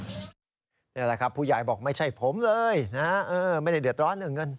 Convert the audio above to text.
นี่แหละครับผู้ใหญ่บอกไม่ใช่ผมเลยนะไม่ได้เดือดร้อนเรื่องเงิน